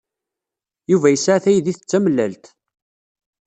Yuba yesɛa taydit d tamellalt.